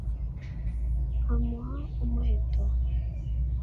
Nkamuha umuheto? »